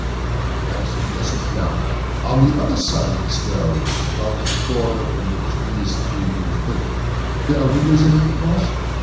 "Ah! that is suggestive. Now, on the other side of this narrow wing runs the corridor from which these three rooms open. There are windows in it, of course?"